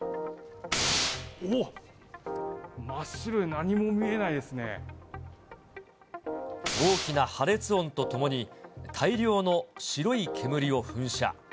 おおっ、真っ白で何も見えな大きな破裂音とともに、大量の白い煙を噴射。